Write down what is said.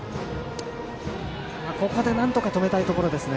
ここでなんとか止めたいところですね。